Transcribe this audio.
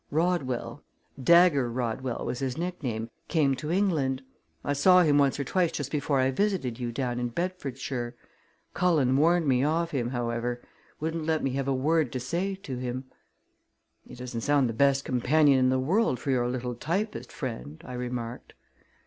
Rodwell Dagger Rodwell was his nickname came to England. I saw him once or twice just before I visited you down in Bedfordshire. Cullen warned me off him, however; wouldn't let me have a word to say to him." "He doesn't sound the best companion in the world for your little typist friend," I remarked.